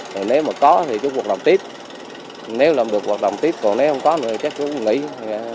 rồi nếu mà có thì chú hoạt động tiếp nếu làm được hoạt động tiếp còn nếu không có thì chắc chú cũng nghỉ